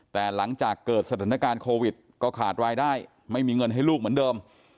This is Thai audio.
แต่หลังจากเกิดสถานการณ์โควิดก็ขาดรายได้ไม่มีเงินให้ลูกเหมือนเดิม